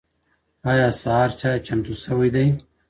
ایا سهار چای چمتو شوی دی؟